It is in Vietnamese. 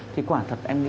thì quả thật em không biết